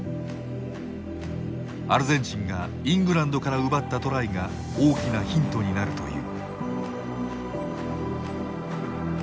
アルゼンチンがイングランドから奪ったトライが大きなヒントになるという。